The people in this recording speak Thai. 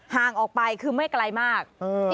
ห่างออกไปคือไม่ไกลมาก